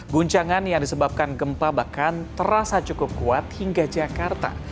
guncangan yang disebabkan gempa bahkan terasa cukup kuat hingga jakarta